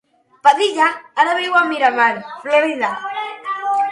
Padilla ara viu a Miramar, Florida.